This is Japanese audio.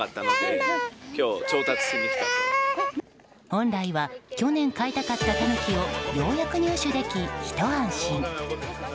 本来は去年買いたかったタヌキをようやく入手でき、ひと安心。